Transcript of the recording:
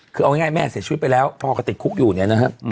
คือเอาง่ายแม่เสียชีวิตไปแล้วพ่อก็ติดคุกอยู่เนี่ยนะฮะ